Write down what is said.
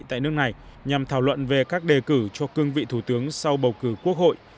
tại nước này nhằm thảo luận về các đề cử cho cương vị thủ tướng sau bầu cử quốc hội